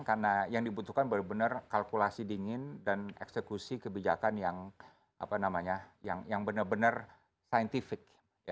karena yang dibutuhkan benar benar kalkulasi dingin dan eksekusi kebijakan yang benar benar scientific